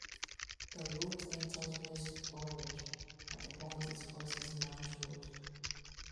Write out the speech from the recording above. The route enters West Orange at the point it crosses Nance Road.